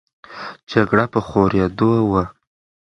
جګړه په خورېدو وه.